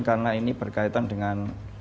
karena ini berkaitan dengan